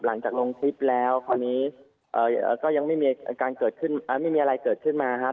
หลังจากลงคลิปแล้วตอนนี้ก็ยังไม่มีอะไรเกิดขึ้นมาครับ